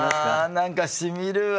何かしみるわ。